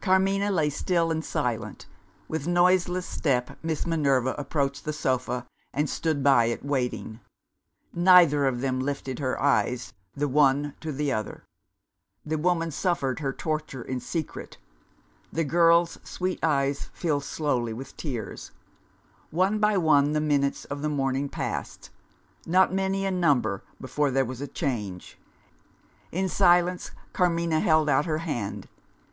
Carmina lay still and silent. With noiseless step, Miss Minerva approached the sofa, and stood by it, waiting. Neither of them lifted her eyes, the one to the other. The woman suffered her torture in secret. The girl's sweet eyes filled slowly with tears. One by one the minutes of the morning passed not many in number, before there was a change. In silence, Carmina held out her hand.